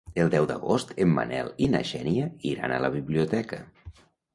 El deu d'agost en Manel i na Xènia iran a la biblioteca.